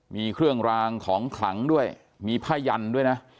มีเครื่องรางของขลังด้วยมีผ้ายันด้วยนะ